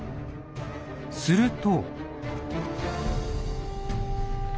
すると。